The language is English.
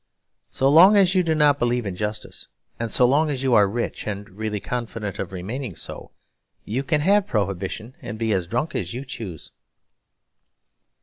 So long as you do not believe in justice, and so long as you are rich and really confident of remaining so, you can have Prohibition and be as drunk as you choose.